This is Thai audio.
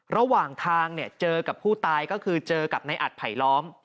ระหว่างทางเจอกับผู้ตายก็คือเจอกับในอัดไผลล้อม